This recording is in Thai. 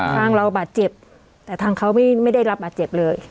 ทางเราบาดเจ็บแต่ทางเขาไม่ได้รับบาดเจ็บเลย